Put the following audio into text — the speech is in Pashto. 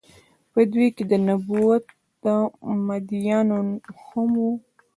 په دوی کې د نبوت مدعيانو هم وو